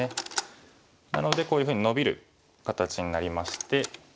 なのでこういうふうにノビる形になりまして。